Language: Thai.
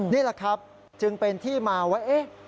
นี่แหละครับจึงเป็นที่มาว่า